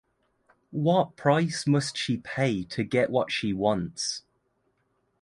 What price must she pay to get what she wants?